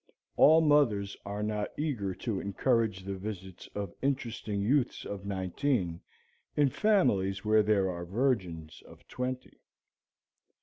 All mothers are not eager to encourage the visits of interesting youths of nineteen in families where there are virgins of twenty.